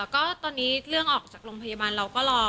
ก็ตอนนี้เรื่องออกจากโรงพยาบาลเราก็รอ